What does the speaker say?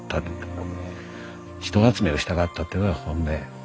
人集めをしたかったっていうのが本音。